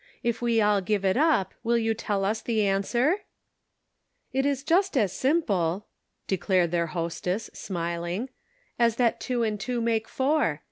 If we all give it up will you tell us the answer ?"" It is just as simple," declared their hostess smiling, "as that two and two make four.